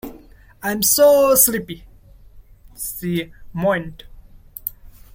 ‘I am so sleepy?’ she moaned.